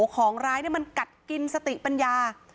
ของร้ายมันกัดกินสติปัญญา